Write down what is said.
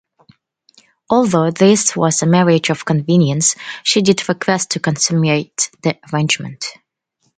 Although this was a marriage of convenience, she did request to consummate the arrangement.